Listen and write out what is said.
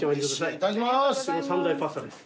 いただきます。